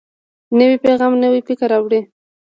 نوی پیغام نوی فکر راوړي